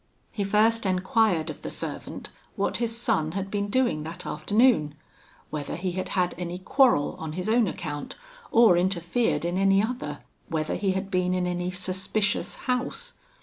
He first enquired of the servant what his son had been doing that afternoon; whether he had had any quarrel on his own account, or interfered in any other; whether he had been in any suspicious house.